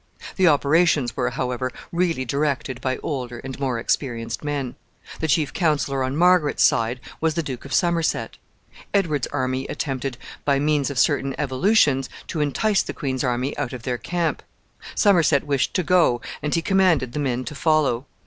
The operations were, however, really directed by older and more experienced men. The chief counselor on Margaret's side was the Duke of Somerset. Edward's army attempted, by means of certain evolutions, to entice the queen's army out of their camp. Somerset wished to go, and he commanded the men to follow.